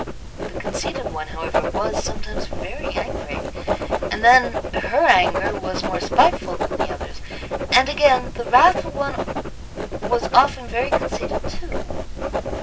The conceited one, however, was sometimes very angry, and then her anger was more spiteful than the other's; and, again, the wrathful one was often very conceited too.